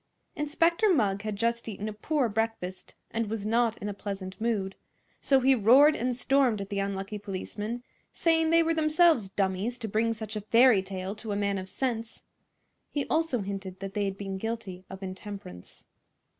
Inspector Mugg had just eaten a poor breakfast, and was not in a pleasant mood; so he roared and stormed at the unlucky policemen, saying they were themselves dummies to bring such a fairy tale to a man of sense. He also hinted that they had been guilty of intemperance.